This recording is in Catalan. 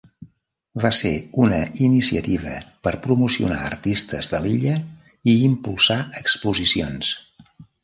Va ser una iniciativa per promocionar artistes de l'illa i impulsar exposicions.